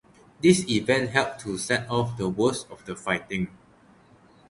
This event helped to set off the worst of the fighting.